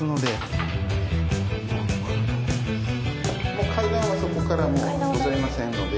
もう階段はそこからございませんので。